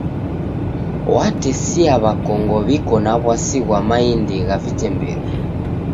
Watesia w'akongo w'iko na w'asi ghwa maindi gha vitemberu.